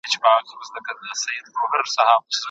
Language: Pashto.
سړی د درملو په کڅوړه کې د نسخې د بیا کتلو هڅه کوله.